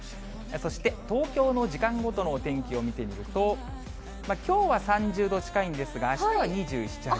そして東京の時間ごとのお天気を見てみると、きょうは３０度近い下がりますね。